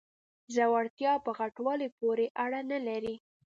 زړورتیا په غټوالي پورې اړه نلري.